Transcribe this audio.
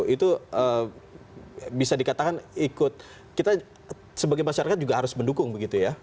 itu bisa dikatakan ikut kita sebagai masyarakat juga harus mendukung begitu ya